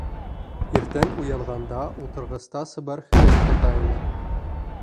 Иртән уянғанда ултырғыста сыбар һүрәт ята ине.